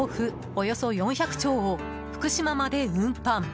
およそ４００丁を福島まで運搬。